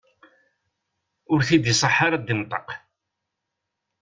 Ur t-id-iṣaḥ ara ad d-inṭeq.